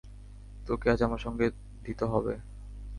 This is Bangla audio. তোকে আজ আমার সঙ্গ দিতে হবে।